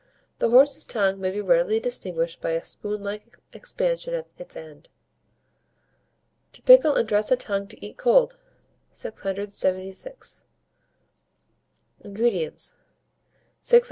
The horse's tongue may be readily distinguished by a spoon like expansion at its end. TO PICKLE AND DRESS A TONGUE TO EAT COLD. 676. INGREDIENTS. 6 oz.